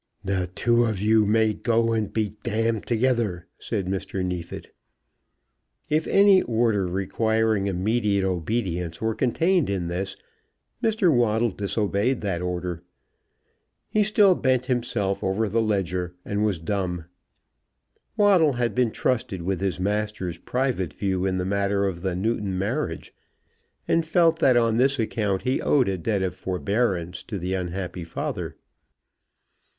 "The two of you may go and be together!" said Mr. Neefit. If any order requiring immediate obedience were contained in this, Mr. Waddle disobeyed that order. He still bent himself over the ledger, and was dumb. Waddle had been trusted with his master's private view in the matter of the Newton marriage, and felt that on this account he owed a debt of forbearance to the unhappy father.